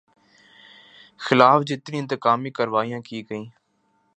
خلاف جتنی انتقامی کارروائیاں کی گئیں